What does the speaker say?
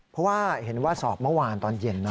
เพราะว่าเห็นว่าสอบเมื่อวานตอนเย็น